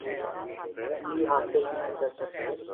ی حاصل نہیں کر سک